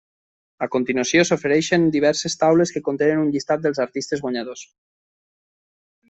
A continuació s'ofereixen diverses taules que contenen un llistat dels artistes guanyadors.